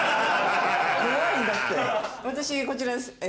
私こちらです。